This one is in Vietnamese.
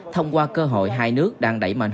thông qua cơ hội hai nước đang đẩy mạnh